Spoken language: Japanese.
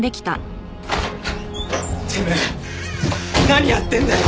何やってんだよ！